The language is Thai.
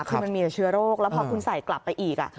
คือมันมีแต่เชื้อโรคแล้วพอคุณใส่กลับไปอีก